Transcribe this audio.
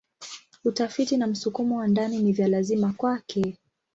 Utafiti na msukumo wa ndani ni vya lazima kwake.